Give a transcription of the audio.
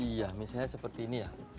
iya misalnya seperti ini ya